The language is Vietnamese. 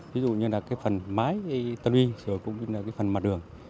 ví dụ như là cái phần máy tân uy rồi cũng là cái phần mặt đường